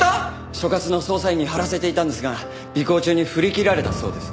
所轄の捜査員に張らせていたんですが尾行中に振り切られたそうです。